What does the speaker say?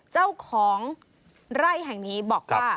เจ้าของไร่แห่งนี้บอกว่า